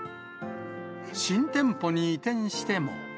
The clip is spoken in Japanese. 新店舗に移転しても。